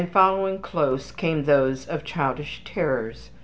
And following close came those of childish terrors.